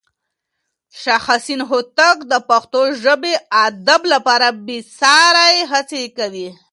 شاه حسين هوتک د پښتو ژبې او ادب لپاره بې ساری هڅې کړې.